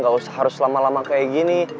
gak usah harus lama lama kayak gini